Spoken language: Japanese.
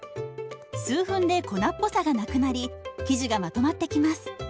数分で粉っぽさがなくなり生地がまとまってきます。